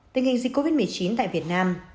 tình hình dịch covid một mươi chín tại việt nam